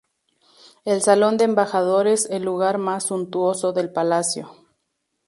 El salón de Embajadores el lugar más suntuoso del palacio.